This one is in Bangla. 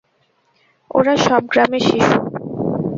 ওরা সব গ্রামের শিশু।